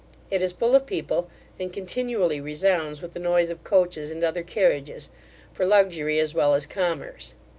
It is full of people, and continually resounds with the noise of coaches and other carriages, for luxury as well as commerce.